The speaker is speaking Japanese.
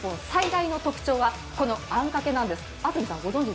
最大の特徴は、このあんかけなんです。